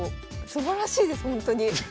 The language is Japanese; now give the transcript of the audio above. すばらしいですほんとに。